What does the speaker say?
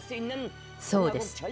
そうです。